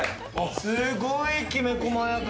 すごいきめ細やか。